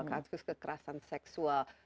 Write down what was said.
kasus kekerasan seksual